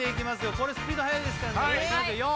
これスピード速いですからねいきますよ